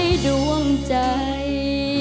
ไม่ดวงใจ